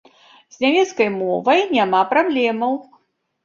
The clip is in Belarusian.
З нямецкай мовай няма праблемаў.